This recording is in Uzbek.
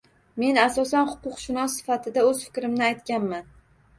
Men asosan huquqshunos sifatida oʻz fikrimni aytganman.